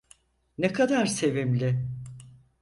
Ne kadar sevimli.